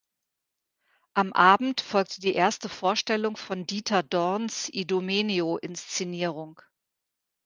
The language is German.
Am Abend folgte die erste Vorstellung von Dieter Dorns "Idomeneo"-Inszenierung.